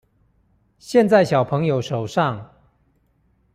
現在小朋友手上